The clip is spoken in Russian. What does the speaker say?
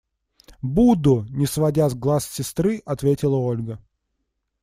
– Буду! – не сводя глаз с сестры, ответила Ольга.